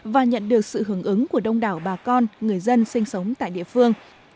và nhận được sự hưởng ứng của đông đảo bà con người dân sinh sống tại địa phương